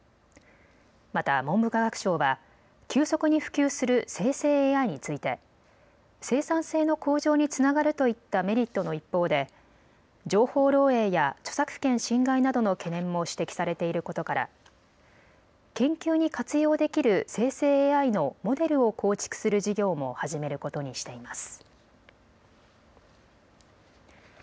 また文部科学省は急速に普及する生成ＡＩについて生産性の向上につながるといったメリットの一方で情報漏えいや著作権侵害などの懸念も指摘されていることから研究に活用できる生成ＡＩのモデルを構築する事業も始めることにしています。